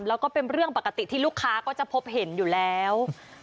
แล้วก็เป็นเรื่องปกติที่ลูกค้าก็จะพบเห็นอยู่แล้ว